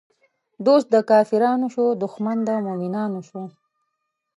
دوست د کافرانو شو، دښمن د مومنانو شو